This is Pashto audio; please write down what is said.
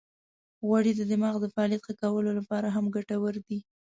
غوړې د دماغ د فعالیت ښه کولو لپاره هم ګټورې دي.